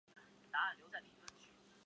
这支远征队是从瓦尔帕莱索出发的。